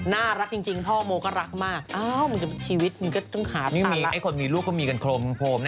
น่ารักจริงพ่อโมก็รักมากโอ้วมึงจนชีวิตมึงก็ต้องหาต่อแล้วและคนมีลูกคือโมงจากโมอบ